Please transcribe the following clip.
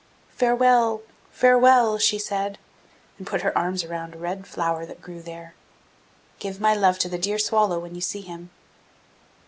'Farewell, farewell!' she said, and put her arms round a little red flower that grew there. 'Give my love to the dear swallow when you see him!